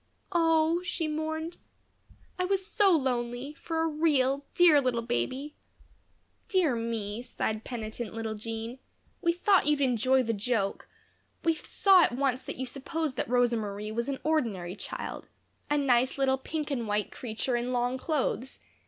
"Oh," she mourned, "I was so lonely for a real, dear little baby." "Dear me," sighed penitent Jean, "we thought you'd enjoy the joke. We saw at once that you supposed that Rosa Marie was an ordinary child a nice little pink and white creature in long clothes.